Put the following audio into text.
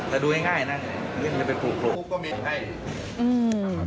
แต่ดูง่ายนะมันก็จะเป็นปลูก